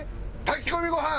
炊き込みご飯！